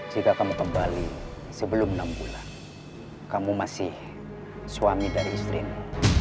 jika kamu kembali sebelum enam bulan kamu masih suami dari istrimu